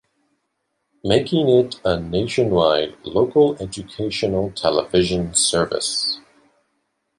Making it a nationwide local educational television service.